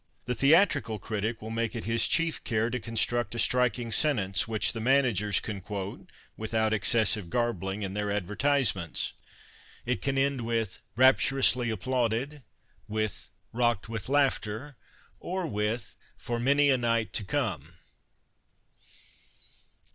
The theatrical critic will make it his chief care to construct a striking sentence which the managers can quote, without excessive garbling, in their advertisements. It can end with " rapturously 288 PASTICHE AND PREJUDICE applauded," with " rocked with laughter," or with " for many a night to come."